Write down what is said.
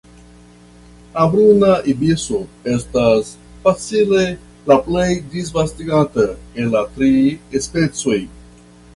La Bruna ibiso estas facile la plej disvastigata el la tri specioj.